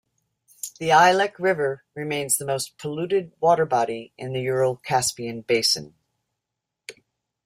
The Ilek River remains the most polluted water body in the Ural-Caspian basin.